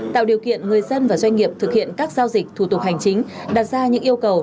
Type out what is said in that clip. tạo điều kiện người dân và doanh nghiệp thực hiện các giao dịch thủ tục hành chính đặt ra những yêu cầu